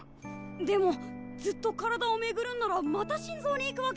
でもずっと体を巡るんならまた心臓に行くわけでしょ。